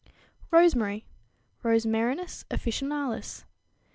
=Rosemary= (Rosemarinus officinalis, Linn.)